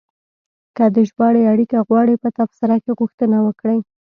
که د ژباړې اړیکه غواړئ، په تبصره کې غوښتنه وکړئ.